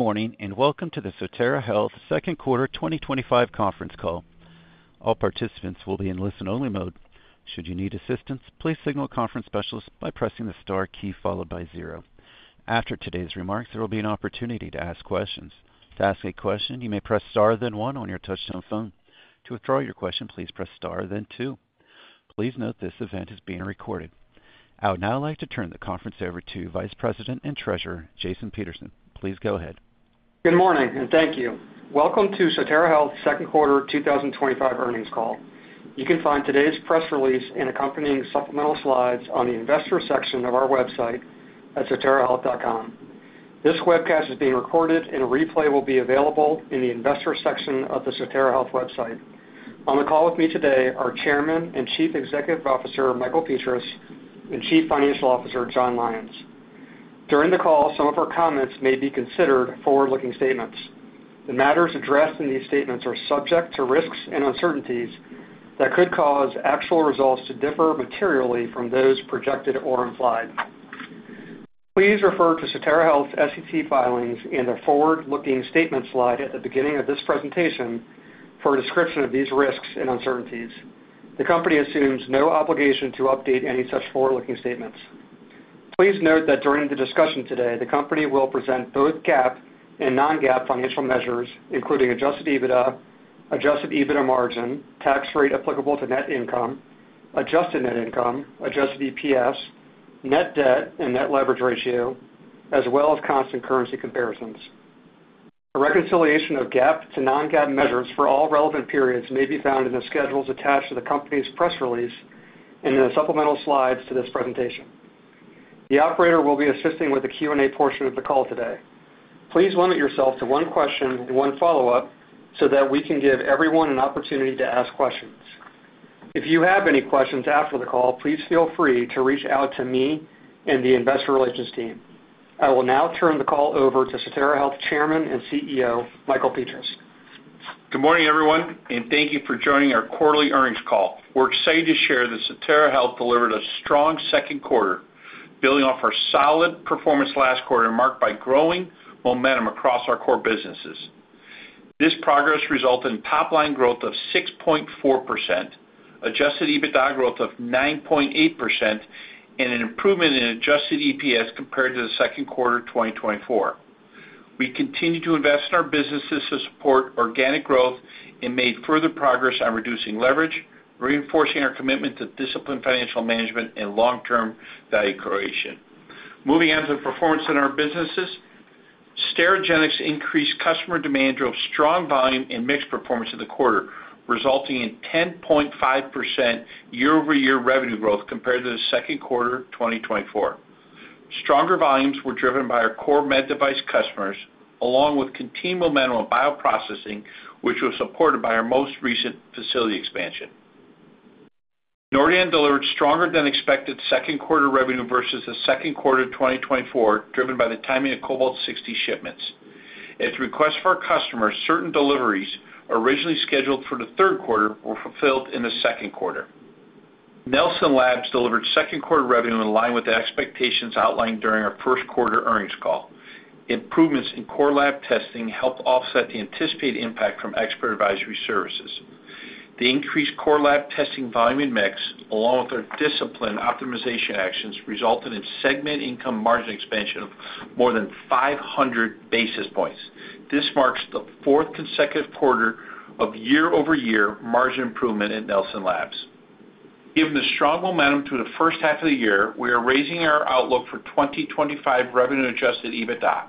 Good morning and welcome to the Sotera Health Second Quarter 2025 Conference Call. All participants will be in listen-only mode. Should you need assistance, please signal a conference specialist by pressing the star key followed by zero. After today's remarks, there will be an opportunity to ask questions. To ask a question, you may press star then one on your touch-tone phone. To withdraw your question, please press star then two. Please note this event is being recorded. I would now like to turn the conference over to Vice President and Treasurer Jason Peterson. Please go ahead. Good morning and thank you. Welcome to Sotera Health's Second Quarter 2025 Earnings Call. You can find today's press release and accompanying supplemental slides on the Investor section of our website at soterahealth.com. This webcast is being recorded and a replay will be available in the Investor section of the Sotera Health website. On the call with me today are Chairman and Chief Executive Officer Michael Petras and Chief Financial Officer Jon Lyons. During the call, some of our comments may be considered forward-looking statements. The matters addressed in these statements are subject to risks and uncertainties that could cause actual results to differ materially from those projected or implied. Please refer to Sotera Health's SEC filings and the forward-looking statement slide at the beginning of this presentation for a description of these risks and uncertainties. The company assumes no obligation to update any such forward-looking statements. Please note that during the discussion today, the company will present both GAAP and non-GAAP financial measures, including adjusted EBITDA, adjusted EBITDA margin, tax rate applicable to net income, adjusted net income, adjusted EPS, net debt, and net leverage ratio, as well as constant currency comparisons. A reconciliation of GAAP to non-GAAP measures for all relevant periods may be found in the schedules attached to the company's press release and in the supplemental slides to this presentation. The operator will be assisting with the Q&A portion of the call today. Please limit yourself to one question and one follow-up so that we can give everyone an opportunity to ask questions. If you have any questions after the call, please feel free to reach out to me and the Investor Relations team. I will now turn the call over to Sotera Health Chairman and CEO Michael Petras. Good morning, everyone, and thank you for joining our quarterly earnings call. We're excited to share that Sotera Health delivered a strong second quarter, building off our solid performance last quarter marked by growing momentum across our core businesses. This progress resulted in top-line growth of 6.4%, adjusted EBITDA growth of 9.8%, and an improvement in adjusted EPS compared to the second quarter of 2024. We continue to invest in our businesses to support organic growth and made further progress on reducing leverage, reinforcing our commitment to disciplined financial management and long-term value creation. Moving on to the performance in our businesses, Sterigenics' increased customer demand drove strong volume and mix performance in the quarter, resulting in 10.5% year-over-year revenue growth compared to the second quarter of 2024. Stronger volumes were driven by our core med device customers, along with continued momentum on bioprocessing, which was supported by our most recent facility expansion. Nordion delivered stronger than expected second quarter revenue versus the second quarter of 2024, driven by the timing of Cobalt-60 shipments. At the request of our customers, certain deliveries originally scheduled for the third quarter were fulfilled in the second quarter. Nelson Labs delivered second quarter revenue in line with the expectations outlined during our first quarter earnings call. Improvements in core lab testing helped offset the anticipated impact from expert advisory services. The increased core lab testing volume and mix, along with our discipline optimization actions, resulted in segment income margin expansion of more than 500 basis points. This marks the fourth consecutive quarter of year-over-year margin improvement at Nelson Labs. Given the strong momentum through the first half of the year, we are raising our outlook for 2025 revenue-adjusted EBITDA.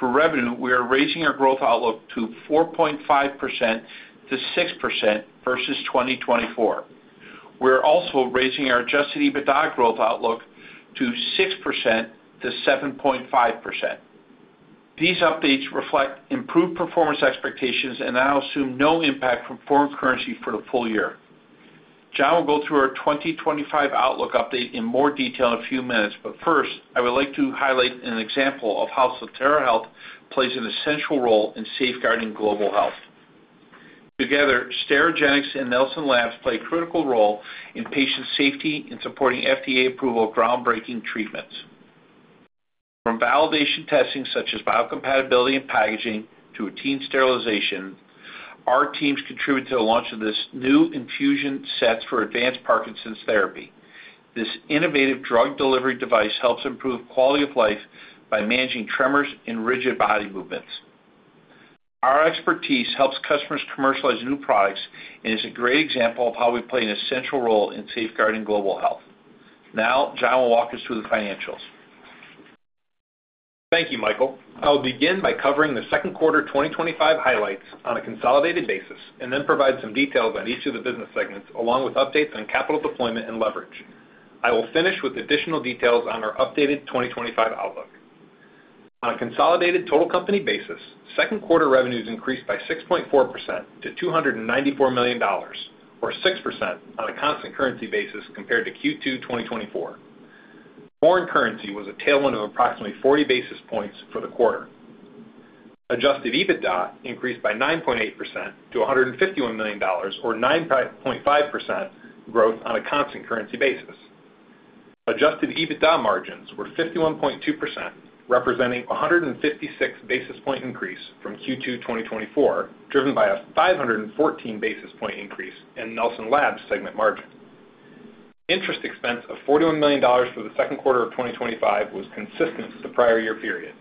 For revenue, we are raising our growth outlook to 4.5% to 6% versus 2024. We are also raising our adjusted EBITDA growth outlook to 6% to 7.5%. These updates reflect improved performance expectations and now assume no impact from foreign currency for the full year. Jon will go through our 2025 outlook update in more detail in a few minutes, but first, I would like to highlight an example of how Sotera Health plays an essential role in safeguarding global health. Together, Sterigenics and Nelson Labs play a critical role in patient safety and supporting FDA approval of groundbreaking treatments. From validation testing such as biocompatibility and packaging to routine sterilization, our teams contribute to the launch of this new infusion set for advanced Parkinson's therapy. This innovative drug delivery device helps improve quality of life by managing tremors and rigid body movements. Our expertise helps customers commercialize new products and is a great example of how we play an essential role in safeguarding global health. Now, Jon will walk us through the financials. Thank you, Michael. I will begin by covering the second quarter 2025 highlights on a consolidated basis and then provide some details on each of the business segments, along with updates on capital deployment and leverage. I will finish with additional details on our updated 2025 outlook. On a consolidated total company basis, second quarter revenues increased by 6.4% to $294 million, or 6% on a constant currency basis compared to Q2 2024. Foreign currency was a tailwind of approximately 40 basis points for the quarter. Adjusted EBITDA increased by 9.8% to $151 million, or 9.5% growth on a constant currency basis. Adjusted EBITDA margins were 51.2%, representing a 156 basis point increase from Q2 2024, driven by a 514 basis point increase in Nelson Labs' segment margin. Interest expense of $41 million for the second quarter of 2025 was consistent with the prior year period.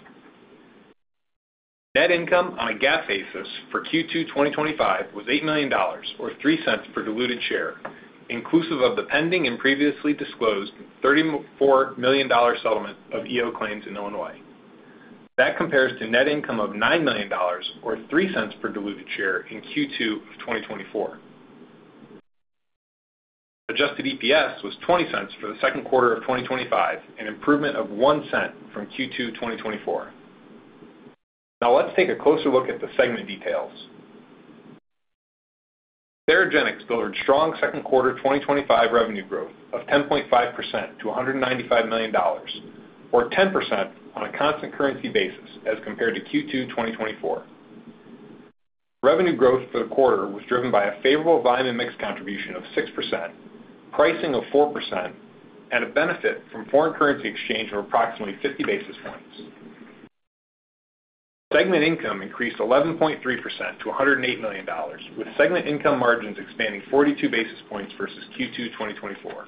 Net income on a GAAP basis for Q2 2025 was $8 million, or $0.03 per diluted share, inclusive of the pending and previously disclosed $34 million settlement of ethylene oxide claims in Illinois. That compares to a net income of $9 million, or $0.03 per diluted share in Q2 2024. Adjusted EPS was $0.20 for the second quarter of 2025, an improvement of $0.01 from Q2 2024. Now let's take a closer look at the segment details. Sterigenics delivered strong second quarter 2025 revenue growth of 10.5% to $195 million, or 10% on a constant currency basis as compared to Q2 2024. Revenue growth for the quarter was driven by a favorable volume and mix contribution of 6%, pricing of 4%, and a benefit from foreign currency exchange of approximately 50 basis points. Segment income increased 11.3% to $108 million, with segment income margins expanding 42 basis points versus Q2 2024.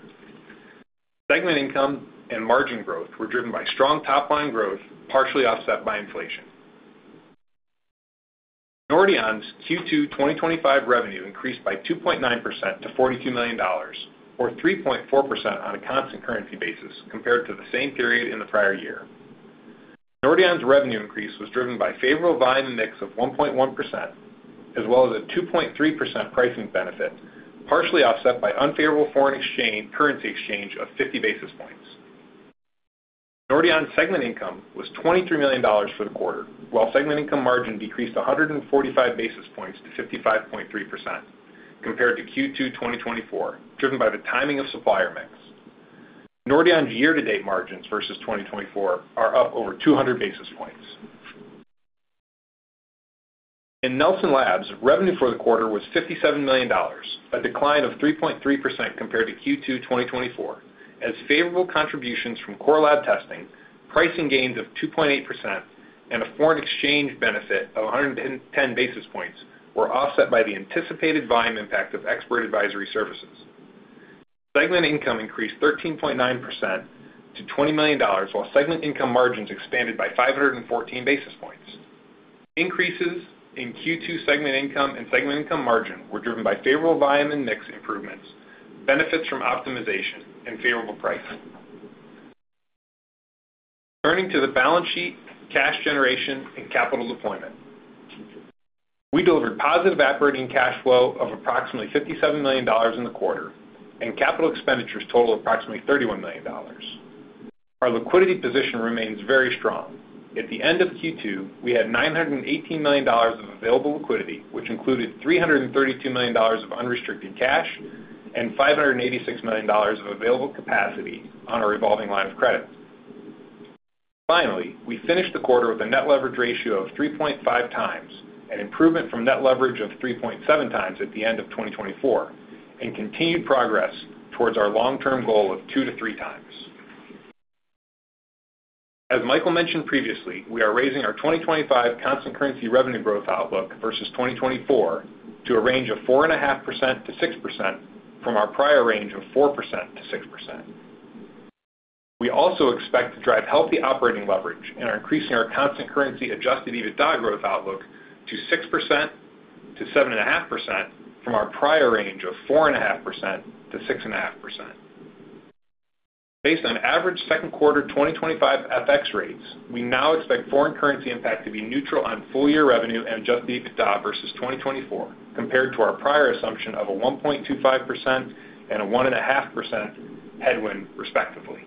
Segment income and margin growth were driven by strong top-line growth, partially offset by inflation. Nordion's Q2 2025 revenue increased by 2.9% to $42 million, or 3.4% on a constant currency basis compared to the same period in the prior year. Nordion's revenue increase was driven by a favorable volume and mix of 1.1%, as well as a 2.3% pricing benefit, partially offset by unfavorable foreign currency exchange of 50 basis points. Nordion's segment income was $23 million for the quarter, while segment income margin decreased 145 basis points to 55.3% compared to Q2 2024, driven by the timing of supplier mix. Nordion's year-to-date margins versus 2024 are up over 200 basis points. In Nelson Labs, revenue for the quarter was $57 million, a decline of 3.3% compared to Q2 2024, as favorable contributions from core lab testing, pricing gains of 2.8%, and a foreign exchange benefit of 110 basis points were offset by the anticipated volume impact of expert advisory services. Segment income increased 13.9% to $20 million, while segment income margins expanded by 514 basis points. Increases in Q2 segment income and segment income margin were driven by favorable volume and mix improvements, benefits from optimization, and favorable pricing. Turning to the balance sheet, cash generation, and capital deployment, we delivered positive operating cash flow of approximately $57 million in the quarter, and capital expenditures totaled approximately $31 million. Our liquidity position remains very strong. At the end of Q2, we had $918 million of available liquidity, which included $332 million of unrestricted cash and $586 million of available capacity on a revolving line of credit. Finally, we finished the quarter with a net leverage ratio of 3.5x, an improvement from net leverage of 3.7x at the end of 2024, and continued progress towards our long-term goal of 2x-3x. As Michael mentioned previously, we are raising our 2025 constant currency revenue growth outlook versus 2024 to a range of 4.5%-6% from our prior range of 4%-6%. We also expect to drive healthy operating leverage and are increasing our constant currency adjusted EBITDA growth outlook to 6%-7.5% from our prior range of 4.5%-6.5%. Based on average second quarter 2025 FX rates, we now expect foreign currency impact to be neutral on full-year revenue and adjusted EBITDA versus 2024, compared to our prior assumption of a 1.25% and a 1.5% headwind, respectively.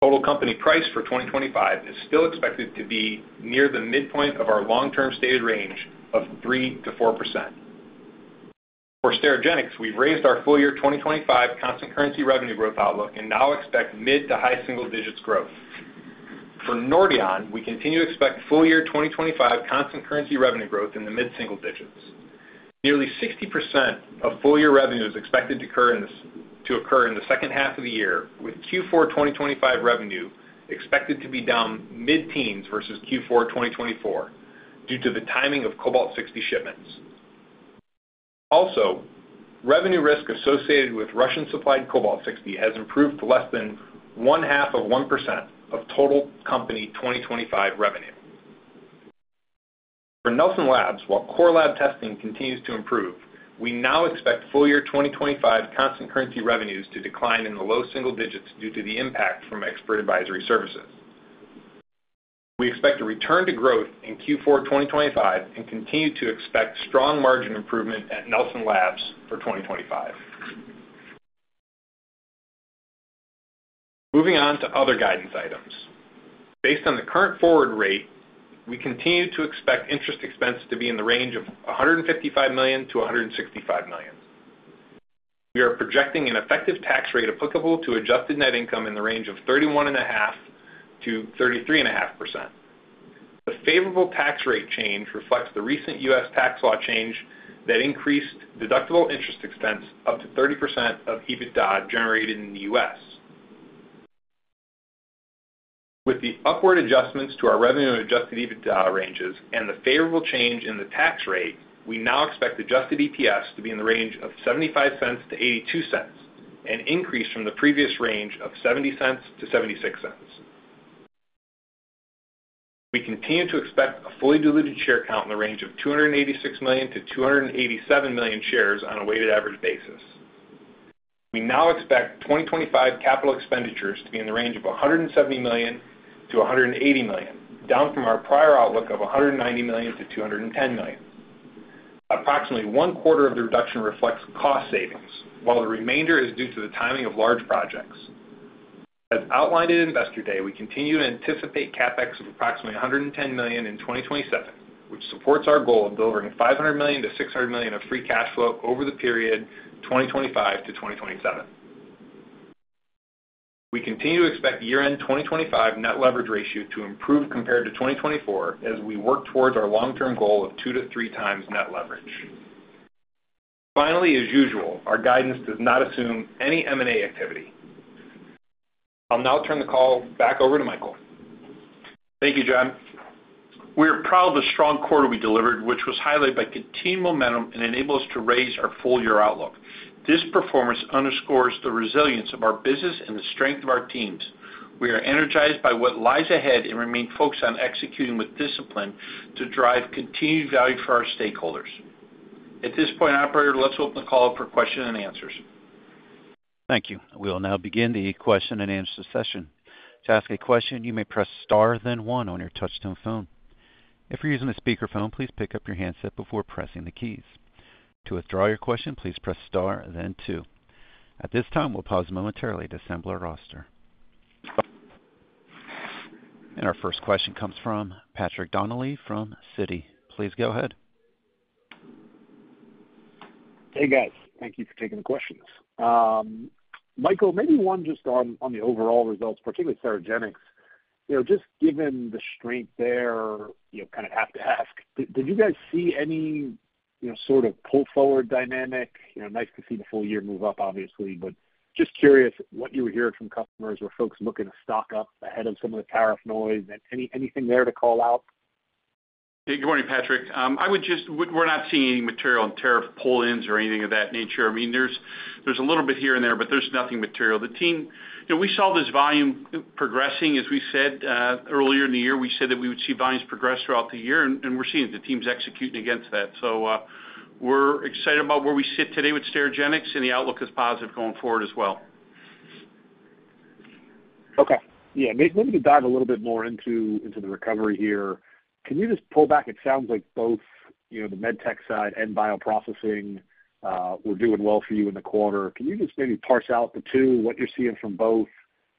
Total company price for 2025 is still expected to be near the midpoint of our long-term stated range of 3%-4%. For Sterigenics, we raised our full-year 2025 constant currency revenue growth outlook and now expect mid-to-high single digits growth. For Nordion, we continue to expect full-year 2025 constant currency revenue growth in the mid-single digits. Nearly 60% of full-year revenue is expected to occur in the second half of the year, with Q4 2025 revenue expected to be down mid-teens versus Q4 2024 due to the timing of Cobalt-60 shipments. Also, revenue risk associated with Russian-supplied Cobalt-60 has improved to less than 1/2 of 1% of total company 2025 revenue. For Nelson Labs, while core lab testing continues to improve, we now expect full-year 2025 constant currency revenues to decline in the low single digits due to the impact from expert advisory services. We expect a return to growth in Q4 2025 and continue to expect strong margin improvement at Nelson Labs for 2025. Moving on to other guidance items. Based on the current forward rate, we continue to expect interest expense to be in the range of $155 million-$165 million. We are projecting an effective tax rate applicable to adjusted net income in the range of 31.5%-33.5%. The favorable tax rate change reflects the recent U.S. tax law change that increased deductible interest expense up to 30% of EBITDA generated in the U.S. With the upward adjustments to our revenue and adjusted EBITDA ranges and the favorable change in the tax rate, we now expect adjusted EPS to be in the range of $0.75-$0.82, an increase from the previous range of $0.70-$0.76. We continue to expect a fully diluted share count in the range of 286 million-287 million shares on a weighted average basis. We now expect 2025 capital expenditures to be in the range of $170 million-$180 million, down from our prior outlook of $190 million-$210 million. Approximately one quarter of the reduction reflects cost savings, while the remainder is due to the timing of large projects. As outlined in Investor Day, we continue to anticipate CapEx of approximately $110 million in 2027, which supports our goal of delivering $500 million-$600 million of free cash flow over the period 2025 to 2027. We continue to expect year-end 2025 net leverage ratio to improve compared to 2024 as we work towards our long-term goal of 2x-3x net leverage. Finally, as usual, our guidance does not assume any M&A activity. I'll now turn the call back over to Michael. Thank you, Jon. We are proud of the strong quarter we delivered, which was highlighted by continued momentum and enabled us to raise our full-year outlook. This performance underscores the resilience of our business and the strength of our teams. We are energized by what lies ahead and remain focused on executing with discipline to drive continued value for our stakeholders. At this point, operator, let's open the call for questions and answers. Thank you. We will now begin the question-and-answer session. To ask a question, you may press star then one on your touch-tone phone. If you're using a speaker phone, please pick up your handset before pressing the keys. To withdraw your question, please press star then two. At this time, we'll pause momentarily to assemble our roster. Our first question comes from Patrick Donnelly from Citi. Please go ahead. Hey guys, thank you for taking the questions. Michael, maybe one just on the overall results, particularly Sterigenics. Just given the strength there, kind of have to ask, did you guys see any sort of pull forward dynamic? Nice to see the full year move up, obviously, but just curious what you were hearing from customers. Were folks looking to stock up ahead of some of the tariff noise and anything there to call out? Yeah, good morning, Patrick. We're not seeing any material on tariff pull-ins or anything of that nature. I mean, there's a little bit here and there, but there's nothing material. The team, you know, we saw this volume progressing, as we said earlier in the year. We said that we would see volumes progress throughout the year, and we're seeing that the team's executing against that. We're excited about where we sit today with Sterigenics, and the outlook is positive going forward as well. Okay. Maybe to dive a little bit more into the recovery here, can you just pull back? It sounds like both the med tech side and bioprocessing were doing well for you in the quarter. Can you just maybe parse out the two, what you're seeing from both,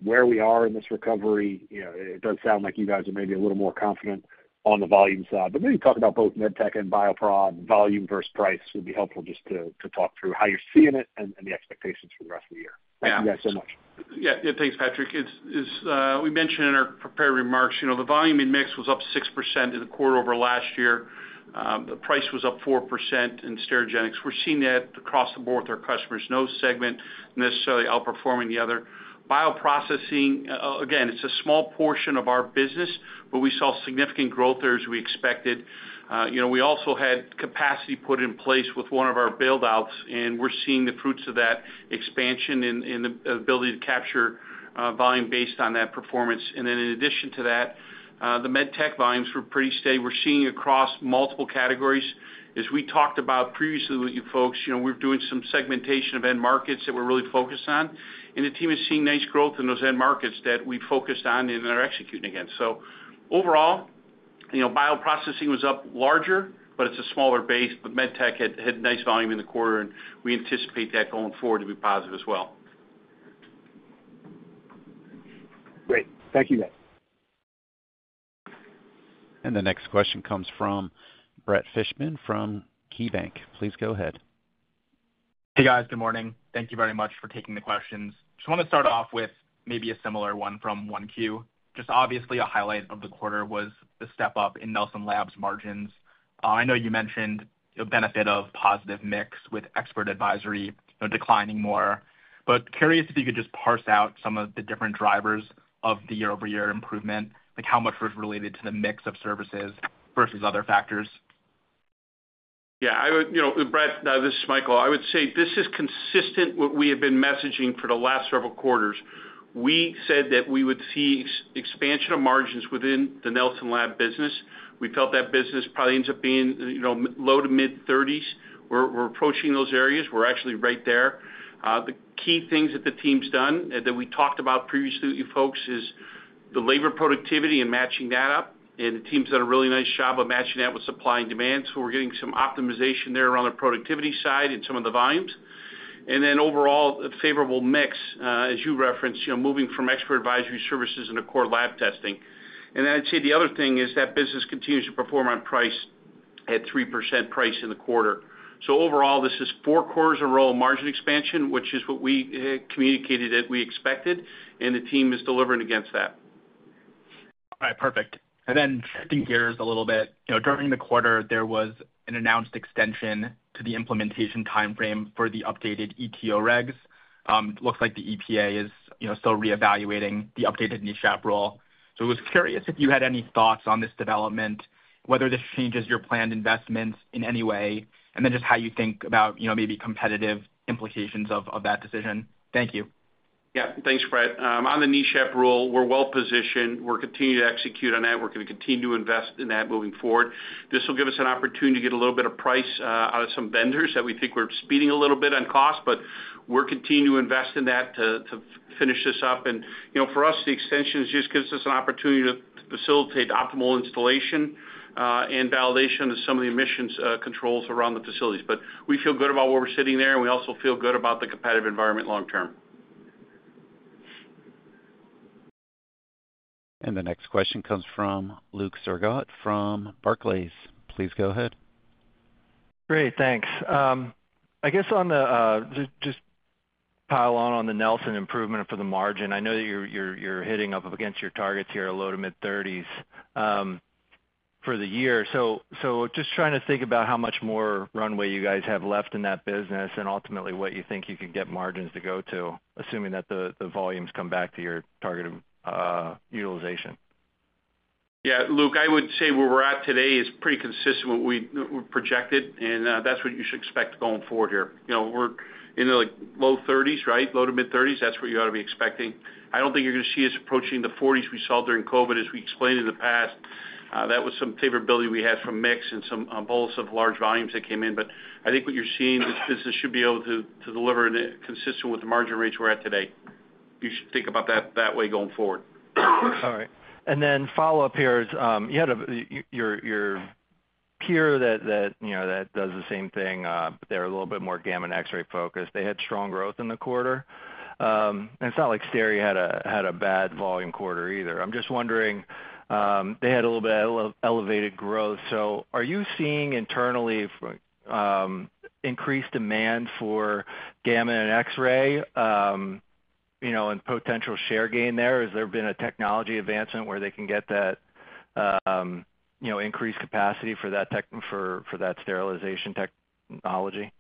where we are in this recovery? It does sound like you guys are maybe a little more confident on the volume side, but maybe talk about both med tech and bioprocessing volume versus price. It would be helpful just to talk through how you're seeing it and the expectations for the rest of the year. Thank you guys so much. Yeah, thanks, Patrick. As we mentioned in our prepared remarks, the volume and mix was up 6% in the quarter over last year. The price was up 4% in Sterigenics. We're seeing that across the board with our customers, no segment necessarily outperforming the other. Bioprocessing, again, it's a small portion of our business, but we saw significant growth there as we expected. We also had capacity put in place with one of our buildouts, and we're seeing the fruits of that expansion and the ability to capture volume based on that performance. In addition to that, the med tech volumes were pretty steady. We're seeing it across multiple categories. As we talked about previously with you folks, we're doing some segmentation of end markets that we're really focused on, and the team is seeing nice growth in those end markets that we focused on and are executing against. Overall, bioprocessing was up larger, but it's a smaller base, but med tech had nice volume in the quarter, and we anticipate that going forward to be positive as well. Great. Thank you, guys. The next question comes from Brett Fishbin from KeyBanc. Please go ahead. Hey guys, good morning. Thank you very much for taking the questions. I just want to start off with maybe a similar one from Q1. Obviously, a highlight of the quarter was the step up in Nelson Labs margins. I know you mentioned the benefit of positive mix with expert advisory declining more, but curious if you could just parse out some of the different drivers of the year-over-year improvement, like how much was related to the mix of services versus other factors. Yeah, I would, you know, Brett, this is Michael. I would say this is consistent with what we have been messaging for the last several quarters. We said that we would see expansion of margins within the Nelson Labs business. We felt that business probably ends up being, you know, low to mid-30s. We're approaching those areas. We're actually right there. The key things that the team's done that we talked about previously with you folks is the labor productivity and matching that up, and the team's done a really nice job of matching that with supply and demand. We're getting some optimization there on the productivity side and some of the volumes. Overall, the favorable mix, as you referenced, you know, moving from expert advisory services into core lab testing. I'd say the other thing is that business continues to perform on price at 3% price in the quarter. Overall, this is four quarters in a row of margin expansion, which is what we communicated that we expected, and the team is delivering against that. All right, perfect. Shifting gears a little bit, during the quarter, there was an announced extension to the implementation timeframe for the updated ETO regs. It looks like the EPA is still reevaluating the updated NESHAP rule. I was curious if you had any thoughts on this development, whether this changes your planned investments in any way, and just how you think about maybe competitive implications of that decision. Thank you. Yeah, thanks, Brett. On the NESHAP rule, we're well positioned. We're continuing to execute on that. We're going to continue to invest in that moving forward. This will give us an opportunity to get a little bit of price out of some vendors that we think we're speeding a little bit on cost, but we're continuing to invest in that to finish this up. For us, the extension just gives us an opportunity to facilitate optimal installation and validation of some of the emissions controls around the facilities. We feel good about where we're sitting there, and we also feel good about the competitive environment long-term. The next question comes from Luke Sergott from Barclays. Please go ahead. Great, thanks. I guess on the Nelson improvement for the margin, I know that you're hitting up against your targets here at low to mid-30s for the year. Just trying to think about how much more runway you guys have left in that business and ultimately what you think you could get margins to go to, assuming that the volumes come back to your target of utilization. Yeah, Luke, I would say where we're at today is pretty consistent with what we projected, and that's what you should expect going forward here. We're in the low 30s, right? Low to mid-30s, that's where you ought to be expecting. I don't think you're going to see us approaching the 40s we saw during COVID, as we explained in the past. That was some favorability we had from mix and some bolus of large volumes that came in. I think what you're seeing is that this should be able to deliver consistent with the margin rates we're at today. You should think about that that way going forward. All right. The follow-up here is, you had your peer that does the same thing, but they're a little bit more gamma and X-ray focused. They had strong growth in the quarter, and it's not like Sterigenics had a bad volume quarter either. I'm just wondering, they had a little bit of elevated growth. Are you seeing internally increased demand for gamma and X-ray, and potential share gain there? Has there been a technology advancement where they can get that increased capacity for that sterilization technology?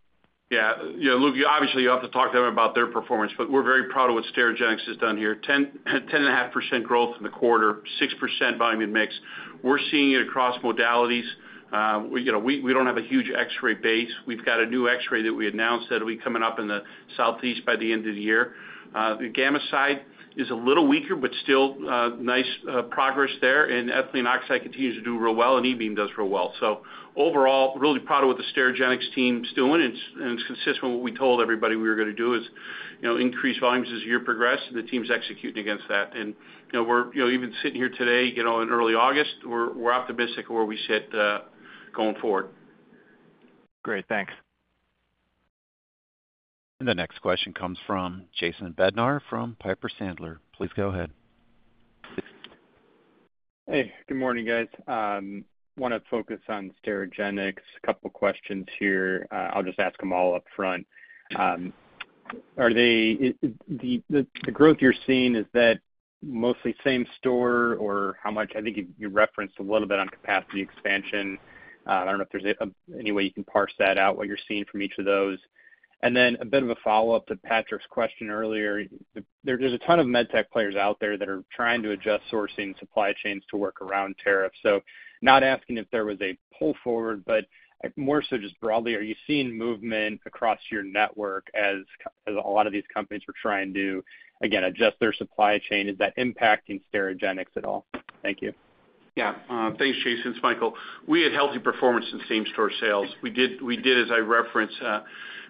Yeah, you know, Luke, obviously you'll have to talk to them about their performance, but we're very proud of what Sterigenics has done here. 10.5% growth in the quarter, 6% volume in mix. We're seeing it across modalities. We don't have a huge X-ray base. We've got a new X-ray that we announced that will be coming up in the Southeast by the end of the year. The gamma side is a little weaker, but still, nice progress there. Ethylene oxide continues to do real well, and e-beam does real well. Overall, really proud of what the Sterigenics team's doing. It's consistent with what we told everybody we were going to do, increase volumes as the year progressed, and the team's executing against that. Even sitting here today in early August, we're optimistic of where we sit, going forward. Great, thanks. The next question comes from Jason Bednar from Piper Sandler. Please go ahead. Hey, good morning guys. I want to focus on Sterigenics. A couple of questions here. I'll just ask them all up front. The growth you're seeing, is that mostly same store or how much? I think you referenced a little bit on capacity expansion. I don't know if there's any way you can parse that out, what you're seeing from each of those. A bit of a follow-up to Patrick's question earlier. There's a ton of med tech players out there that are trying to adjust sourcing supply chains to work around tariffs. Not asking if there was a pull forward, but more so just broadly, are you seeing movement across your network as a lot of these companies are trying to, again, adjust their supply chain? Is that impacting Sterigenics at all? Thank you. Yeah, thanks, Jason. It's Michael. We had healthy performance in same-store sales. We did, as I referenced,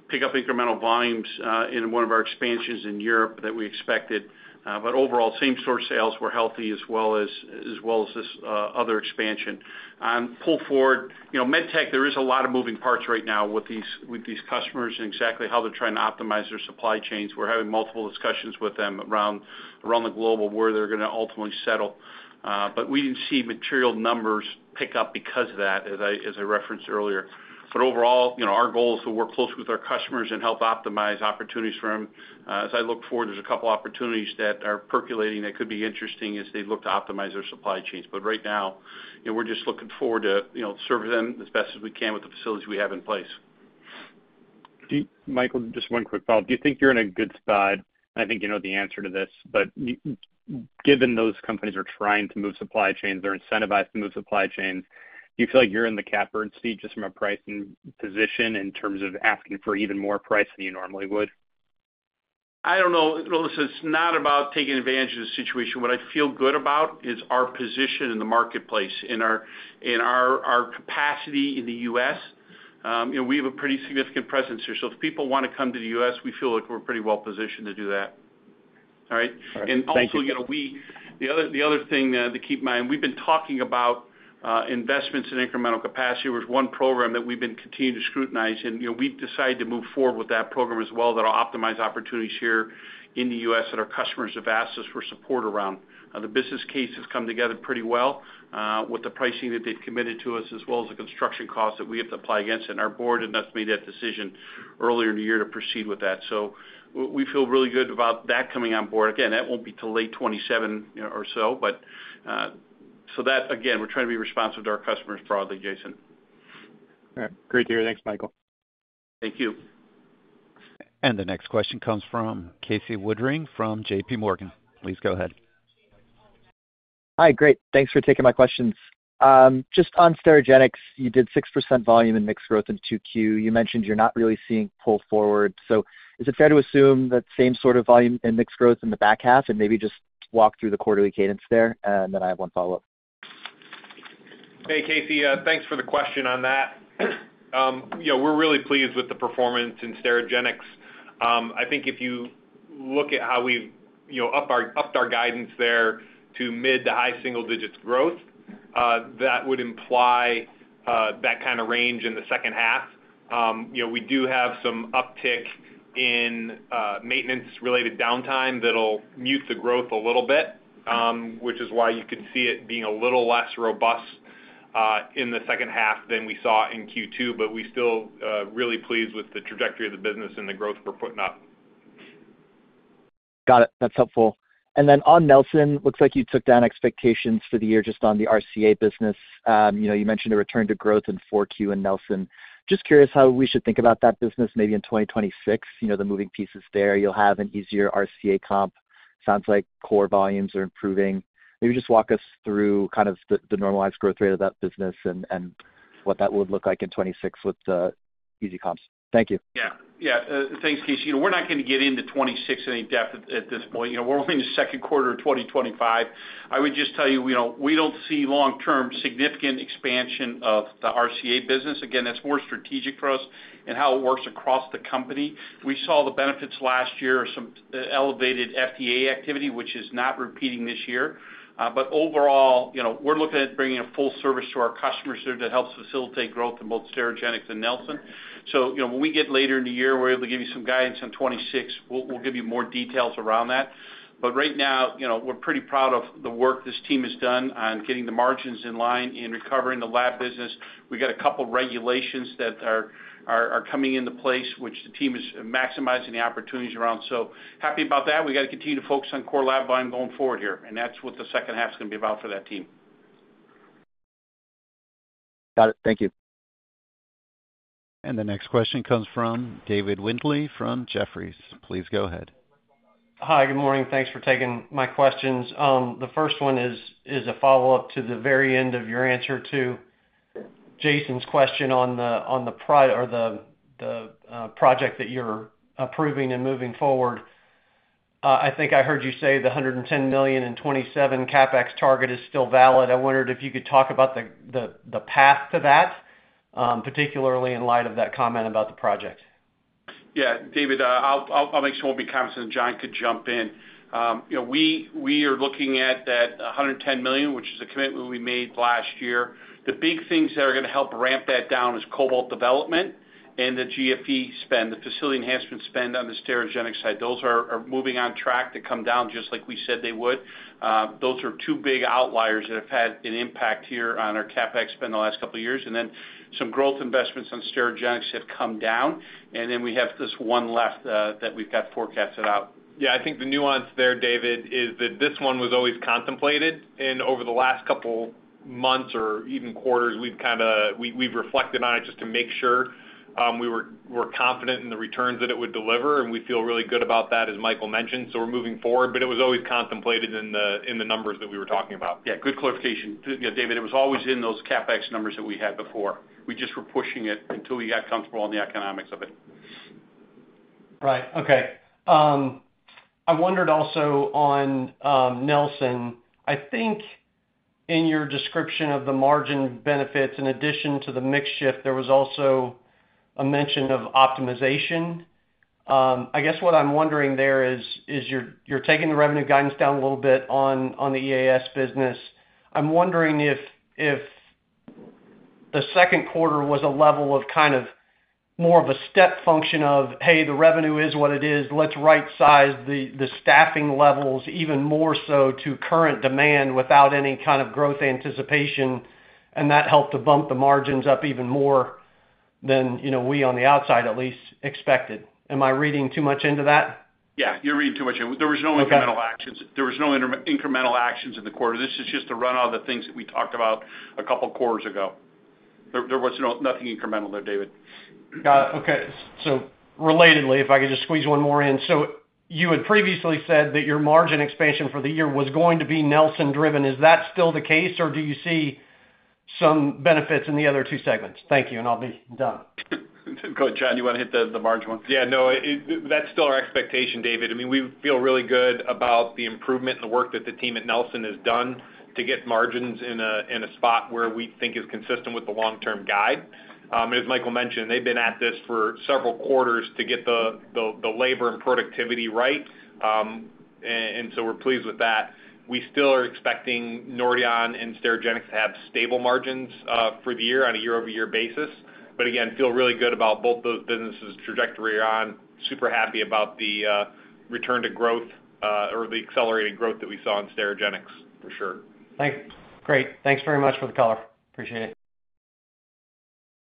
pick up incremental volumes in one of our expansions in Europe that we expected. Overall, same-store sales were healthy as well as this other expansion. Pull forward, you know, med tech, there is a lot of moving parts right now with these customers and exactly how they're trying to optimize their supply chains. We're having multiple discussions with them around the global where they're going to ultimately settle. We didn't see material numbers pick up because of that, as I referenced earlier. Overall, our goal is to work closely with our customers and help optimize opportunities for them. As I look forward, there's a couple of opportunities that are percolating that could be interesting as they look to optimize their supply chains. Right now, we're just looking forward to service them as best as we can with the facilities we have in place. Michael, just one quick follow-up. Do you think you're in a good spot? I think you know the answer to this, but given those companies are trying to move supply chains, they're incentivized to move supply chains. Do you feel like you're in the capper seat just from a pricing position in terms of asking for even more price than you normally would? No, this is not about taking advantage of the situation. What I feel good about is our position in the marketplace, in our capacity in the U.S. We have a pretty significant presence here. If people want to come to the U.S., we feel like we're pretty well positioned to do that. Also, the other thing to keep in mind, we've been talking about investments in incremental capacity. There was one program that we've been continuing to scrutinize, and we decided to move forward with that program as well. That'll optimize opportunities here in the U.S. that our customers have asked us for support around. The business case has come together pretty well, with the pricing that they've committed to us, as well as the construction costs that we have to apply against it. Our Board ended up making that decision earlier in the year to proceed with that. We feel really good about that coming on board. That won't be till late 2027 or so, but we're trying to be responsive to our customers broadly, Jason. All right. Great to hear. Thanks, Michael. Thank you. The next question comes from Casey Woodring from JPMorgan. Please go ahead. Hi, great. Thanks for taking my questions. Just on Sterigenics, you did 6% volume and mix growth in Q2. You mentioned you're not really seeing pull forward. Is it fair to assume that same sort of volume and mix growth in the back half, and maybe just walk through the quarterly cadence there? I have one follow-up. Hey Casey, thanks for the question on that. We're really pleased with the performance in Sterigenics. I think if you look at how we've upped our guidance there to mid to high single digits growth, that would imply that kind of range in the second half. We do have some upticks in maintenance-related downtime that'll mute the growth a little bit, which is why you could see it being a little less robust in the second half than we saw in Q2, but we're still really pleased with the trajectory of the business and the growth we're putting up. Got it. That's helpful. On Nelson Labs, it looks like you took down expectations for the year just on the RCA business. You mentioned a return to growth in Q4 in Nelson Labs. Just curious how we should think about that business maybe in 2026. The moving pieces there, you'll have an easier RCA comp. Sounds like core volumes are improving. Maybe just walk us through kind of the normalized growth rate of that business and what that would look like in 2026 with the easy comps. Thank you. Yeah, thanks, Casey. You know, we're not going to get into 2026 in any depth at this point. You know, we're only in the second quarter of 2025. I would just tell you, you know, we don't see long-term significant expansion of the RCA business. Again, that's more strategic for us and how it works across the company. We saw the benefits last year, some elevated FDA activity, which is not repeating this year. Overall, you know, we're looking at bringing a full service to our customers there that helps facilitate growth in both Sterigenics and Nelson. When we get later in the year, we're able to give you some guidance on 2026. We'll give you more details around that. Right now, you know, we're pretty proud of the work this team has done on getting the margins in line and recovering the lab business. We've got a couple of regulations that are coming into place, which the team is maximizing the opportunities around. Happy about that. We've got to continue to focus on core lab volume going forward here. That's what the second half is going to be about for that team. Got it. Thank you. The next question comes from David Windley from Jefferies. Please go ahead. Hi, good morning. Thanks for taking my questions. The first one is a follow-up to the very end of your answer to Jason's question on the prior or the project that you're approving and moving forward. I think I heard you say the $110 million in 2027 capital expenditures target is still valid. I wondered if you could talk about the path to that, particularly in light of that comment about the project. Yeah, David, I'll make sure I won't be commenting. Jon could jump in. You know, we are looking at that $110 million, which is a commitment we made last year. The big things that are going to help ramp that down are Cobalt development and the GFE spend, the facility enhancement spend on the Sterigenics side. Those are moving on track to come down just like we said they would. Those are two big outliers that have had an impact here on our CapEx spend the last couple of years. Some growth investments on Sterigenics have come down, and we have this one left that we've got forecasted out. Yeah, I think the nuance there, David, is that this one was always contemplated. Over the last couple months or even quarters, we've reflected on it just to make sure we were confident in the returns that it would deliver. We feel really good about that, as Michael mentioned. We're moving forward, but it was always contemplated in the numbers that we were talking about. Yeah, good clarification. Yeah, David, it was always in those capital expenditures numbers that we had before. We just were pushing it until we got comfortable on the economics of it. Right, okay. I wondered also on Nelson. I think in your description of the margin benefits, in addition to the mix shift, there was also a mention of optimization. I guess what I'm wondering there is, you're taking the revenue guidance down a little bit on the EAS business. I'm wondering if the second quarter was a level of kind of more of a step function of, hey, the revenue is what it is. Let's right-size the staffing levels even more so to current demand without any kind of growth anticipation. That helped to bump the margins up even more than, you know, we on the outside at least expected. Am I reading too much into that? Yeah, you're reading too much in. There were no incremental actions. There were no incremental actions in the quarter. This is just a run-on of the things that we talked about a couple of quarters ago. There was nothing incremental there, David. Got it. Okay. If I could just squeeze one more in, you had previously said that your margin expansion for the year was going to be Nelson-driven. Is that still the case, or do you see some benefits in the other two segments? Thank you. I'll be done. Go ahead, Jon. You want to hit the margin one? Yeah, no, that's still our expectation, Dave. I mean, we feel really good about the improvement and the work that the team at Nelson has done to get margins in a spot where we think is consistent with the long-term guide. As Michael mentioned, they've been at this for several quarters to get the labor and productivity right, and so we're pleased with that. We still are expecting Nordion and Sterigenics to have stable margins for the year on a year-over-year basis. Again, feel really good about both those businesses' trajectory. Super happy about the return to growth, or the accelerated growth that we saw in Sterigenics for sure. Thanks. Great, thanks very much for the call. Appreciate it.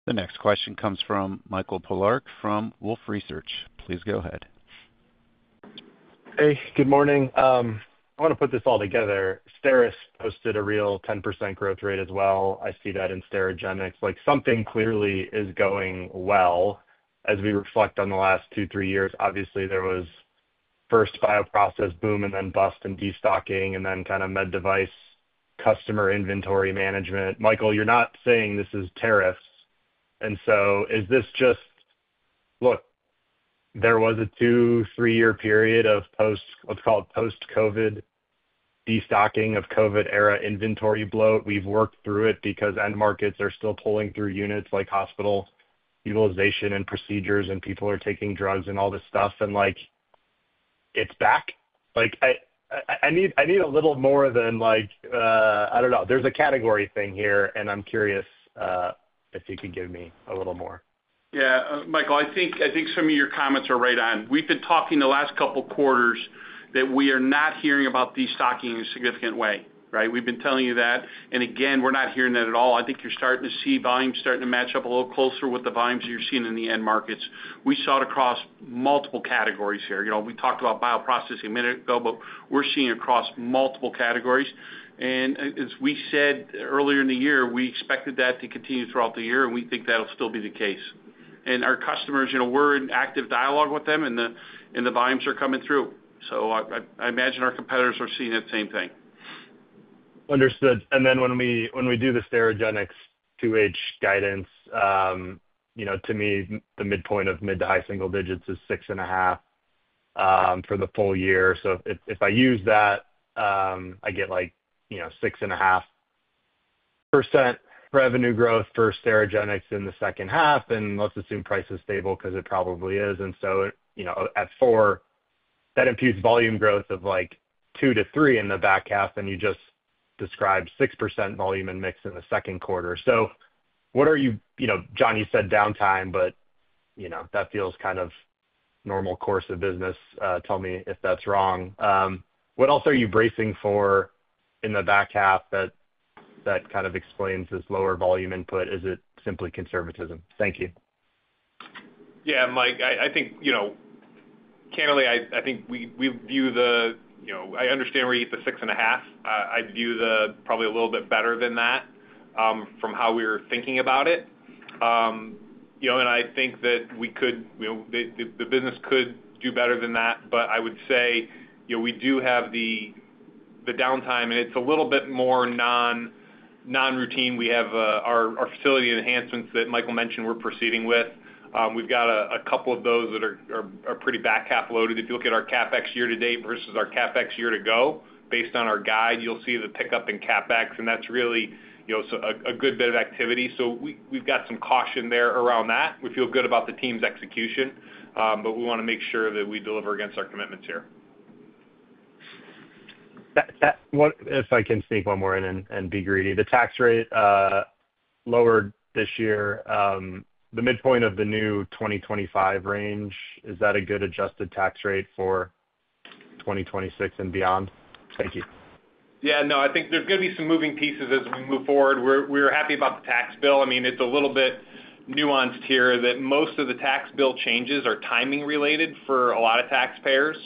The next question comes from Michael Polark from Wolfe Research. Please go ahead. Hey, good morning. I want to put this all together. Steris posted a real 10% growth rate as well. I see that in Sterigenics. Like something clearly is going well as we reflect on the last two, three years. Obviously, there was first bioprocess boom and then bust and destocking and then kind of med device customer inventory management. Michael, you're not saying this is tariffs. Is this just, look, there was a two, three-year period of post, let's call it post-COVID destocking of COVID era inventory bloat. We've worked through it because end markets are still pulling through units like hospital utilization and procedures and people are taking drugs and all this stuff. It's back. I need a little more than like, I don't know. There's a category thing here and I'm curious if you could give me a little more. Yeah, Michael, I think some of your comments are right on. We've been talking the last couple of quarters that we are not hearing about destocking in a significant way, right? We've been telling you that. We're not hearing that at all. I think you're starting to see volume starting to match up a little closer with the volumes that you're seeing in the end markets. We saw it across multiple categories here. We talked about bioprocessing a minute ago, but we're seeing it across multiple categories. As we said earlier in the year, we expected that to continue throughout the year, and we think that'll still be the case. Our customers, you know, we're in active dialogue with them, and the volumes are coming through. I imagine our competitors are seeing that same thing. Understood. When we do the Sterigenics 2H guidance, to me, the midpoint of mid to high single digits is 6.5% for the full year. If I use that, I get 6.5% revenue growth for Sterigenics in the second half. Let's assume price is stable because it probably is. At four, that imputes volume growth of 2% to 3% in the back half. You just described 6% volume and mix in the second quarter. What are you, you know, Jon, you said downtime, but that feels kind of normal course of business. Tell me if that's wrong. What else are you bracing for in the back half that explains this lower volume input? Is it simply conservatism? Thank you. Yeah, Mike, I think, you know, candidly, I think we view the, you know, I understand where you get the 6.5. I view that probably a little bit better than that, from how we were thinking about it. I think that we could, you know, the business could do better than that. I would say we do have the downtime, and it's a little bit more non-routine. We have our facility enhancements that Michael mentioned we're proceeding with. We've got a couple of those that are pretty back half loaded. If you look at our capital expenditures year to date versus our capital expenditures year to go, based on our guide, you'll see the pickup in capital expenditures. That's really a good bit of activity. We've got some caution there around that. We feel good about the team's execution, but we want to make sure that we deliver against our commitments here. If I can sneak one more in and be greedy, the tax rate lowered this year, the midpoint of the new 2025 range. Is that a good adjusted tax rate for 2026 and beyond? Thank you. Yeah, no, I think there's going to be some moving pieces as we move forward. We're happy about the tax bill. I mean, it's a little bit nuanced here that most of the tax bill changes are timing related for a lot of taxpayers.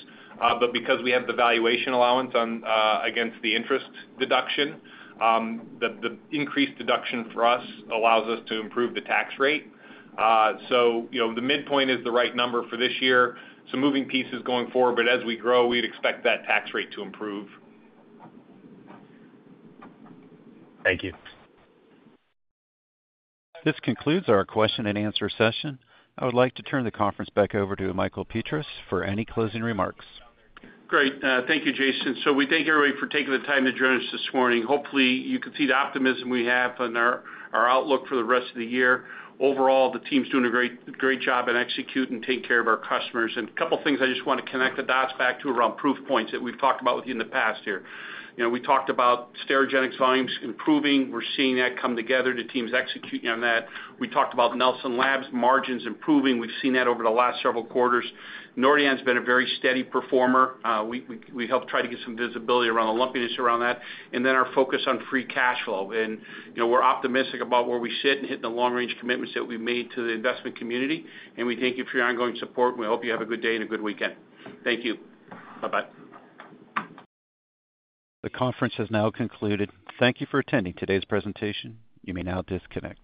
Because we have the valuation allowance against the interest deduction, the increased deduction for us allows us to improve the tax rate. The midpoint is the right number for this year. Some moving pieces going forward, but as we grow, we'd expect that tax rate to improve. Thank you. This concludes our question-and-answer session. I would like to turn the conference back over to Michael Petras for any closing remarks. Great. Thank you, Jason. We thank everybody for taking the time to join us this morning. Hopefully, you can see the optimism we have on our outlook for the rest of the year. Overall, the team's doing a great job in executing and taking care of our customers. A couple of things I just want to connect the dots back to around proof points that we've talked about with you in the past here. We talked about Sterigenics volumes improving. We're seeing that come together. The team's executing on that. We talked about Nelson Labs margins improving. We've seen that over the last several quarters. Nordion's been a very steady performer. We helped try to get some visibility around the lumpiness around that. Our focus on free cash flow. We're optimistic about where we sit and hitting the long-range commitments that we've made to the investment community. We thank you for your ongoing support. We hope you have a good day and a good weekend. Thank you. Bye-bye. The conference has now concluded. Thank you for attending today's presentation. You may now disconnect.